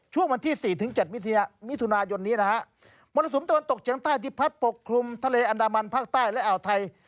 ช่วงวันที่๔๗มิถุนายนนี้นะฮะมรสุมตะวันตกเฉียงใต้ที่พัดปกคลุมทะเลอันดามันภาคใต้และอ่าวไทย